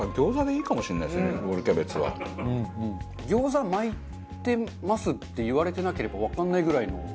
「餃子巻いてます」って言われてなければわかんないぐらいの。